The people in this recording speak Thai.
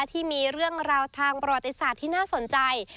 ที่มีเรื่องราวทางประวัติศาสตร์ที่น่าสนใจ